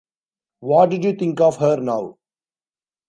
What did you think of her, now?